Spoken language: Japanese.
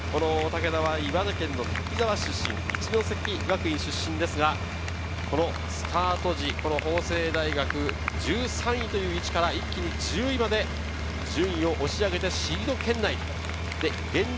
武田は岩手県出身、一関学院出身ですが、スタート時、法政大学・１３位という位置から一気に１０位まで順位を押し上げてシード圏内です。